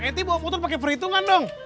eh kamu bawa motor pake perhitungan dong